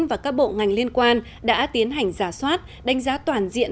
và các bộ ngành liên quan đã tiến hành giả soát đánh giá toàn diện